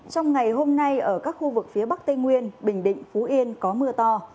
trong ngày hôm nay ở các khu vực phía bắc tây nguyên bình định phú yên có mưa to